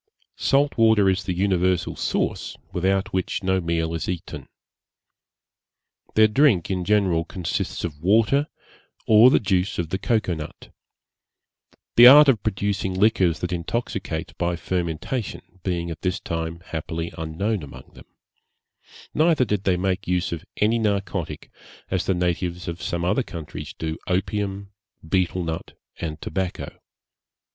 Salt water is the universal sauce, without which no meal is eaten. Their drink in general consists of water, or the juice of the cocoa nut; the art of producing liquors that intoxicate by fermentation being at this time happily unknown among them; neither did they make use of any narcotic, as the natives of some other countries do opium, beetel nut, and tobacco.